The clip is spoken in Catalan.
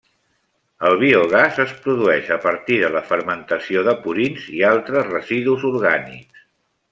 El biogàs es produeix a partir de la fermentació de purins i altres residus orgànics.